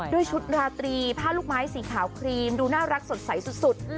ด้วยชุดราตรีผ้าลูกไม้สีขาวครีมดูน่ารักสดใสสุด